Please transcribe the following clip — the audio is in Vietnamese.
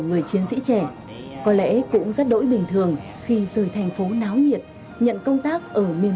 người chiến sĩ trẻ có lẽ cũng rất đỗi bình thường khi rời thành phố náo nhiệt nhận công tác ở miền